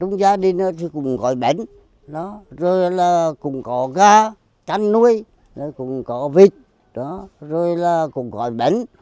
rồi là cũng có gà canh nuôi cũng có vịt rồi là cũng có bánh